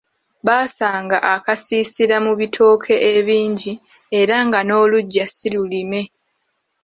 Baasanga akasiisira mu bitooke ebingi era nga noluggya si lulime.